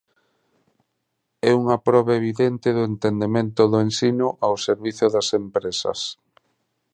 É unha proba evidente do entendemento do ensino ao servizo das empresas.